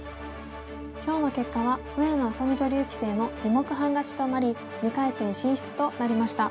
今日の結果は上野愛咲美女流棋聖の２目半勝ちとなり２回戦進出となりました。